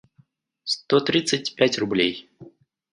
сто тридцать пять рублей